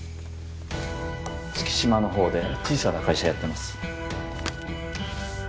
月島の方で小さな会社やってます。